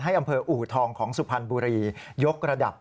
อำเภออูทองของสุพรรณบุรียกระดับ